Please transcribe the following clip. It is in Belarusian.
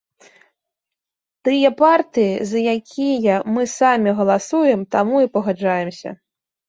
Тыя партыі, за якія мы самі галасуем, таму і пагаджаемся.